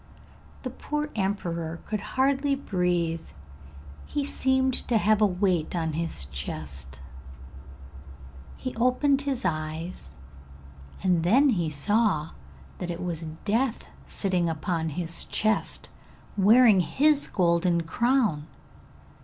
The poor emperor could hardly breathe, he seemed to have a weight on his chest, he opened his eyes, and then he saw that it was Death sitting upon his chest, wearing his golden crown.